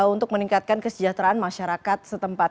untuk meningkatkan kesejahteraan masyarakat setempat